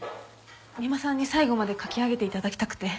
三馬さんに最後まで書き上げて頂きたくて。